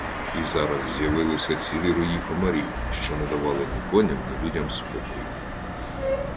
І зараз з'явилися цілі рої комарів, що не давали ні коням, ні людям спокою.